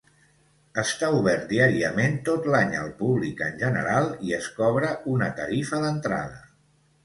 Està obert diàriament tot l'any al públic en general i es cobra una tarifa d'entrada.